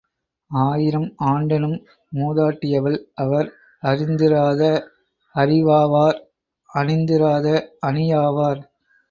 ஆயிரம் ஆண்டெனும் மூதாட்டியவள் அவர் அறிந்திராத அறிவாவார் அணிந்திராத அணியாவார்!